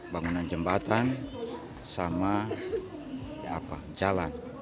bangunan jembatan sama jalan